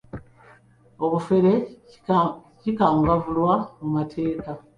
Obufere kikangavvulwa mu mateeka.